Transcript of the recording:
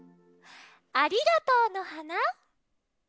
「ありがとうの花」。